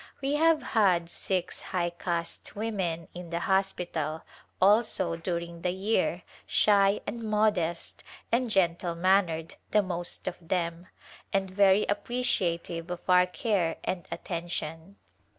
W> have had six high caste women in the hospital, also, during the year, shy and modest and gentle mannered the most of them, and very appreci ative of our care and attention.